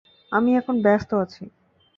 আমি এখন ব্যাস্ত আছি।